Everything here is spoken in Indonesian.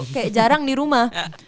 kayak jarang di rumah